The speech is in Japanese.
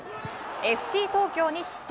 ＦＣ東京に失点。